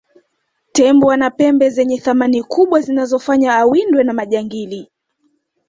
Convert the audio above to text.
tembo ana pembe zenye thamani kubwa zinazofanya awindwe na majangili